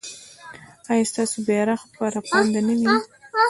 ایا ستاسو بیرغ به رپانده نه وي؟